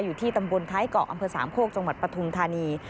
อยู่ที่ตำบลท้ายเกาะอำเภอสามโคกจังหวัดปฐุมธานี